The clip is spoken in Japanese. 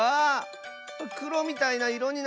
くろみたいないろになった！